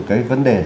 cái vấn đề